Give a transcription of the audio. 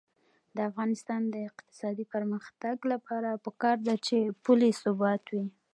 د افغانستان د اقتصادي پرمختګ لپاره پکار ده چې پولي ثبات وي.